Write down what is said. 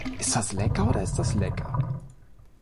Ist das lecker oder ist das lecker?